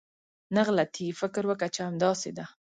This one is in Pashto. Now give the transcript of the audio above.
نه غلطېږي، فکر وکه چې همداسې ده.